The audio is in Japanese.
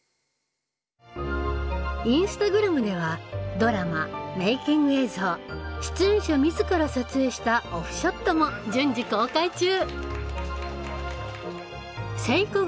インスタグラムではドラマメイキング映像出演者自ら撮影したオフショットも順次公開中。